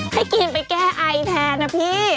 ให้กินไปแก้ไอแทนนะพี่